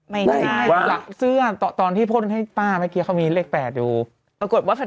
ไม่ได้หลังเสื้อตอนที่พ่นให้ป้าเมื่อกี้เขามีเลขแปดดูปรากฏว่า